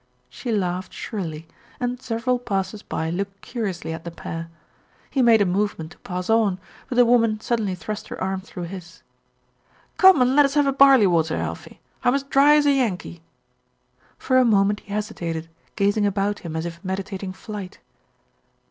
She laughed shrilly, and several passers by looked curiously at the pair. He made a movement to pass on; but the woman suddenly thrust her arm through his. "Come and let us have a barley water, Alfie. I'm as dry as a Yankee." For a moment he hesitated, gazing about him as if meditating flight.